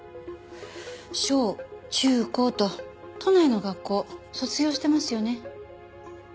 小中高と都内の学校卒業してますよね？